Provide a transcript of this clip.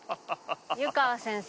「湯川先生？」